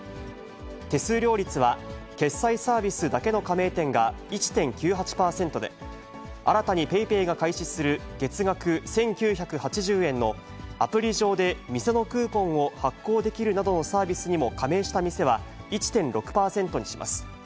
手数料率は決済サービスだけの加盟店が１．９８％で、新たにＰａｙＰａｙが開始する月額１９８０円のアプリ上で店のクーポンを発行できるなどのサービスにも加盟した店は、１．６％にします。